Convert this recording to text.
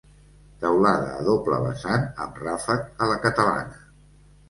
Teulada a doble vessant amb ràfec a la catalana.